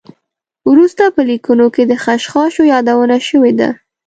وروسته په لیکنو کې د خشخاشو یادونه شوې ده.